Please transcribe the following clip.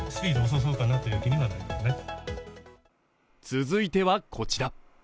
続いてはこちら。